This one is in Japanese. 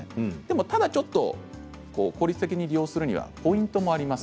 ただちょっと効率的に利用するにはポイントがあります。